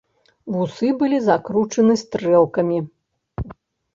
Вусы былі закручаны стрэлкамі.